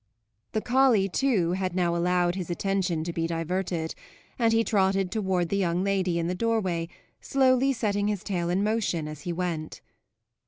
The collie, too, had now allowed his attention to be diverted, and he trotted toward the young lady in the doorway, slowly setting his tail in motion as he went.